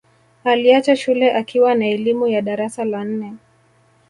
Aliacha shule akiwa na elimu ya darasa la nne